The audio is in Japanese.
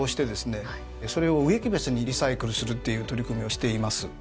それを植木鉢にリサイクルするっていう取り組みをしています。